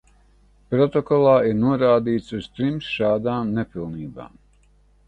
Protokolā ir norādīts uz trim šādām nepilnībām.